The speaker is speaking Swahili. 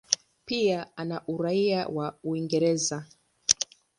Pia ana uraia wa Uingereza.